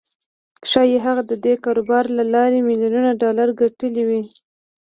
ښايي هغه د دې کاروبار له لارې ميليونونه ډالر ګټلي وي.